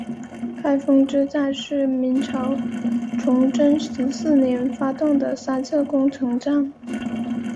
开封之战是明朝崇祯十四年发动的三次攻城战。